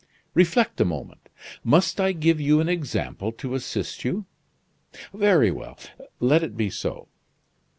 Reflect a moment. Must I give you an example to assist you? Very well. Let it be so.